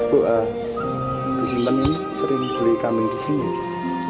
bu simpan ini sering beli kambing di sini